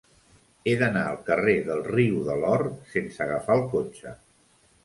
He d'anar al carrer del Riu de l'Or sense agafar el cotxe.